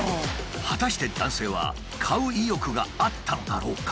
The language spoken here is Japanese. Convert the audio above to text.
果たして男性は買う意欲があったのだろうか？